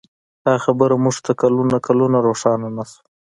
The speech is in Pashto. دا خبره موږ ته کلونه کلونه روښانه نه شوه.